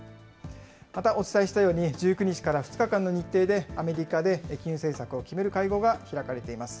またお伝えしたように、１９日から２日間の日程で、アメリカで金融政策を決める会合が開かれています。